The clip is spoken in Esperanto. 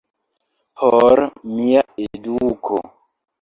Por mia eduko.